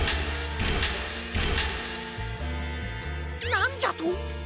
なんじゃと！？